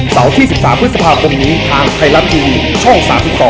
เสาร์๑๓พฤษภาพกรุงนี้ทางไทยลักษณ์ทีวีช่อง๓๒